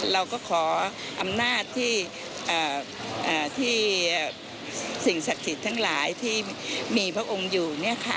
เราก็ขออำนาจที่สิ่งศักดิ์สิทธิ์ทั้งหลายที่มีพระองค์อยู่